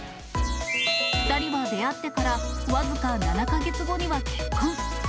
２人は出会ってから僅か７か月後には結婚。